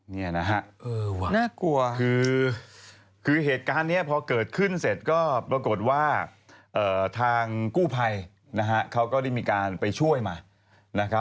นี่นะฮะคือคือเหตุการณ์นี้พอเกิดขึ้นเสร็จก็ปรากฏว่าทางกู้ภัยเขาก็ได้มีการไปช่วยมา